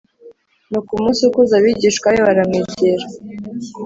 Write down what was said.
Nuko umunsi ukuze abigishwa be baramwegera